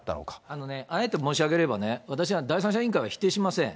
あのね、あえて申し上げればね、私、第三者委員会は否定しません。